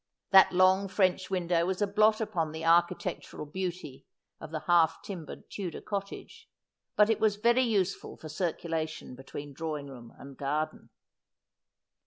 That long French window was a blot upon the architectural beauty of the half timbered Tudor cottage, but it was very useful for circulation between drawing room and garden.